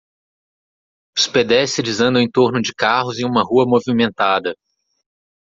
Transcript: Os pedestres andam em torno de carros em uma rua movimentada.